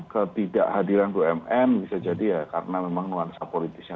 ketidakhadiran bumn bisa jadi ya karena memang nuansa politisnya